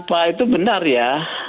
pak itu benar ya